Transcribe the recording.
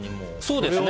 そうですね。